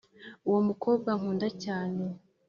uwomukobwa nkunda cyane